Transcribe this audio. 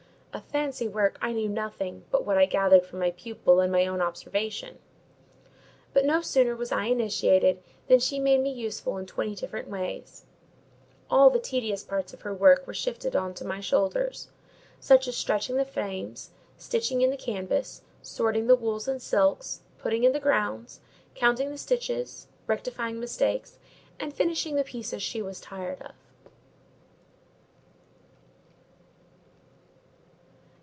Of fancy work I knew nothing but what I gathered from my pupil and my own observation; but no sooner was I initiated, than she made me useful in twenty different ways: all the tedious parts of her work were shifted on to my shoulders; such as stretching the frames, stitching in the canvas, sorting the wools and silks, putting in the grounds, counting the stitches, rectifying mistakes, and finishing the pieces she was tired of.